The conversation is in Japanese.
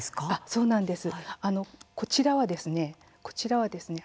そうなんです。